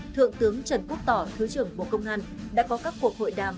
thượng tướng trần quốc tỏ thứ trưởng bộ công an đã có các cuộc hội đàm